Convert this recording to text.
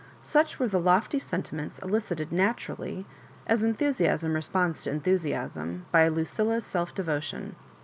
Such were the lofty sentiments elicited naturally, as enthusiasm responds to en thusiasm, by Lucilla's selfdevotion.